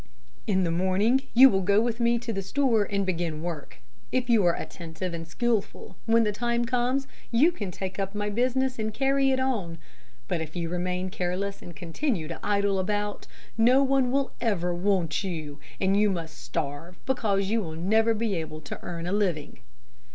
In the morning you will go with me to the store and begin work. If you are attentive and skillful, when the time comes you can take up my business and carry it on. But if you remain careless and continue to idle about, no one will ever want you and you must starve because you will never be able to earn a living."